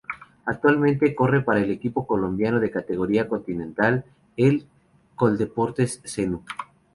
Actualmente corre para el equipo colombiano de categoría Continental el Coldeportes Zenú.